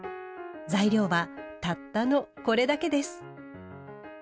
材料はたったのこれだけです。